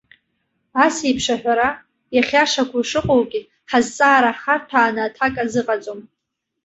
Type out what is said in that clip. Асеиԥш аҳәара, иахьиашақәоу шыҟоугьы, ҳазҵаара харҭәааны аҭак азыҟаҵом.